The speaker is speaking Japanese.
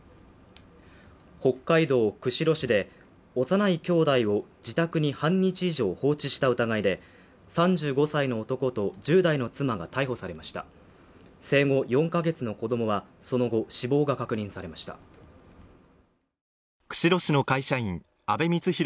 北海道釧路市で幼い兄弟を自宅に半日以上放置した疑いで３５歳の男と１０代の妻が逮捕されました生後４か月の子どもはその後死亡が確認されました釧路市の会社員阿部光浩